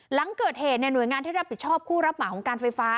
หลังเกิดเหตุหน่วยงานที่รับผิดชอบคู่รับเหมาของการไฟฟ้า